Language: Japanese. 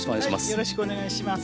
よろしくお願いします。